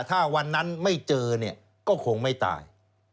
ถ้าวันนั้นไม่เจอเนี่ยก็คงไม่ตาย